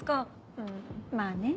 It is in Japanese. うんまぁね。